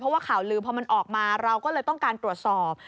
เพราะว่าข่าวลืมพอมันออกมาเราก็เลยต้องการตรวจสอบ